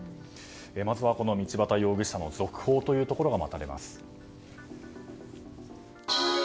まずは道端容疑者の続報というところが待たれます。